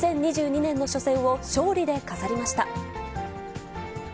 ２０２２年の初戦を勝利で飾りました。